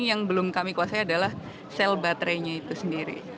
yang belum kami kuasai adalah sel baterainya itu sendiri